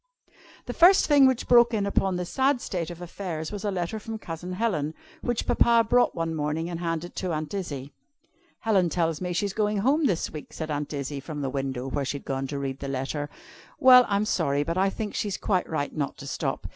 The first thing which broke in upon this sad state of affairs, was a letter from Cousin Helen, which Papa brought one morning and handed to Aunt Izzie. "Helen tells me she's going home this week," said Aunt Izzie, from the window, where she had gone to read the letter. "Well, I'm sorry, but I think she's quite right not to stop.